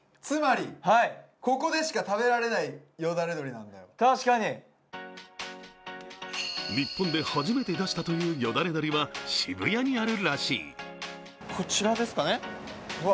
そんな２人には日本で初めて出したというよだれ鶏は渋谷にあるらしい。